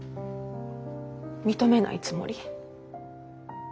認めないつもり？